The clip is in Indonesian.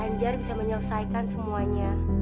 mas anjar bisa menyelesaikan semuanya